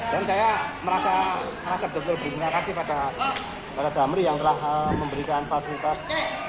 dan saya merasa deg deg berterima kasih pada damri yang telah memberikan pasu pas